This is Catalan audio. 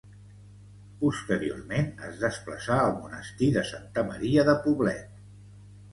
Posteriorment, es desplaçà al monestir de Santa Maria de Poblet.